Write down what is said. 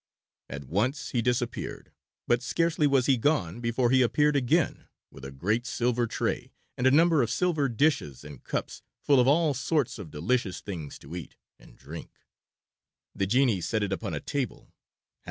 At once he disappeared, but scarcely was he gone before he appeared again with a great silver tray and a number of silver dishes and cups full of all sorts of delicious things to eat and drink. The genie set it upon a table.